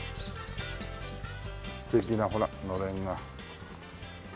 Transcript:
素敵なほらのれんが。